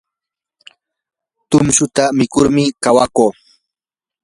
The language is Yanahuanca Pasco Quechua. tumshuta mikurmi kawakuu.